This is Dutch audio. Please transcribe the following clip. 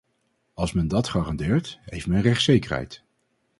Als men dat garandeert, heeft men rechtszekerheid.